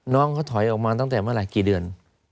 น้องเขาถอยออกมาตั้งแต่เมื่อไหร่กี่เดือน